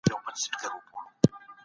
دوه وروسته له يوه راځي.